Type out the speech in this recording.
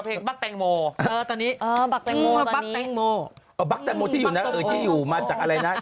กับเพลงบักแตงโมเออตอนนี้เออบักแตงโมตอนนี้อ๋อบักแตงโมที่อยู่นะเออที่อยู่มาจากอะไรนะ